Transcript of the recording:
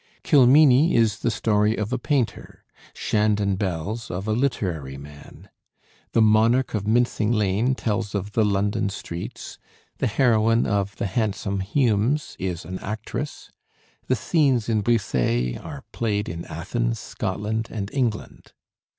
'Kilmeny' is the story of a painter, 'Shandon Bells' of a literary man, 'The Monarch of Mincing Lane' tells of the London streets, the heroine of 'The Handsome Humes' is an actress, the scenes in 'Briseis' are played in Athens, Scotland, and England.